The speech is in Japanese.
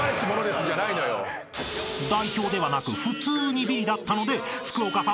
［代表ではなく普通にビリだったので福岡さん